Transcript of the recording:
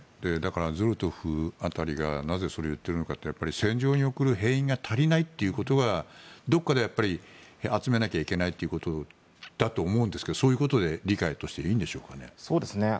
ゾロトフ辺りがなぜそれを言っているのかというと戦場に送る兵員が足りないことがどこかで集めなきゃいけないということだと思うんですがそういう理解でいいでしょうか。